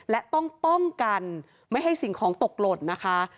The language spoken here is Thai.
และต้องป้องกันไม่ให้สิ่งของตกหล่นนะคะ